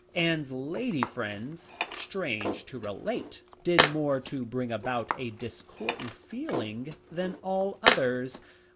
Anne's lady friends, strange to relate, did more to bring about a discordant feeling than all others.